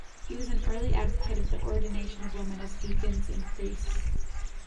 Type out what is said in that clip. He was an early advocate of the ordination of women as deacons and priests.